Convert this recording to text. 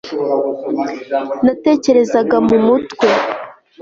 natekerezaga mu mutwe